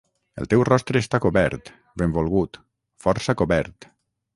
El teu rostre està cobert, benvolgut, força cobert.